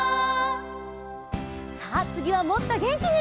「」さあつぎはもっとげんきにいくよ！